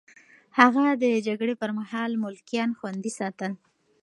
هغه د جګړې پر مهال ملکيان خوندي ساتل.